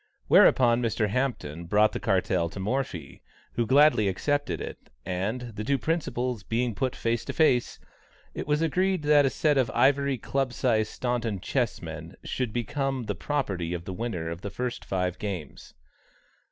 Whereupon Mr. Hampton brought the cartel to Morphy, who gladly accepted it, and, the two principals being put face to face, it was agreed that a set of ivory club size Staunton chessmen should become the property of the winner of the first five games.